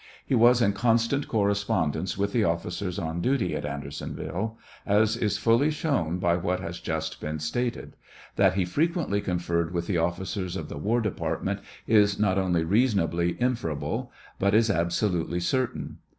He was in constant correspondence with the officers on duty at Andersonville, as is fully shown by what has just been stated. That he frequently conferred with the offi cers of the war department is not only reasonably inferable but is absolutely certain.